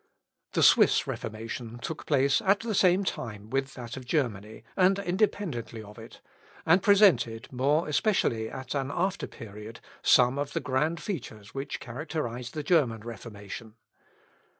The Swiss Reformation took place at the same time with that of Germany, and independently of it, and presented, more especially at an after period, some of the grand features which characterise the German Reformation.